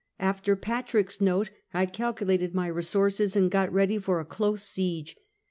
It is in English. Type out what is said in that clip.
After Patrick's note, I cal culated my resources, and got ready for a close siege.